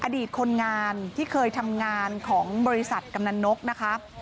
อดีตคนงานที่เคยทำงานของบริษัทกำนันนกนะคะ